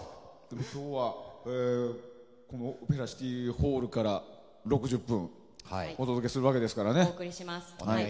今日はオペラシティホールから６０分お届けするわけですからね。